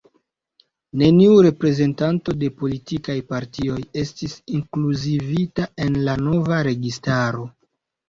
Neniu reprezentanto de politikaj partioj estis inkluzivita en la nova registaro.